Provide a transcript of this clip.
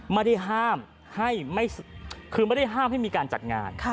ไม่ได้ห้ามให้คือไม่ได้ห้ามให้มีการจัดงาน